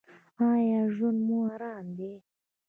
ایا ژوند مو ارام دی؟